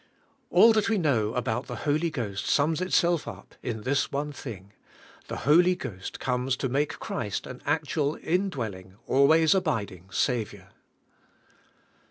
All that we know about the Holy Ghost sums itself up in this one thing: The Holy Ghost comes to make Christ an actual, indwelling, alwaj^s abid ing Saviour.